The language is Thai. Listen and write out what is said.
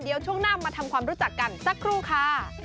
เดี๋ยวช่วงหน้ามาทำความรู้จักกันสักครู่ค่ะ